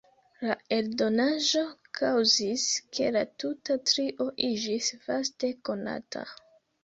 La eldonaĵo kaŭzis, ke la tuta trio iĝis vaste konata.